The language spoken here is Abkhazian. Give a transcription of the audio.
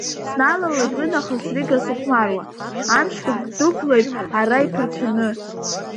Сналалеит уи нахыс Рига сыхәмаруа, амшқәагь дәықәлеит ара иԥырцәаны.